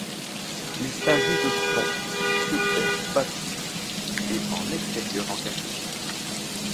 Il s'agit de son sur terre battue et en extérieur en carrière.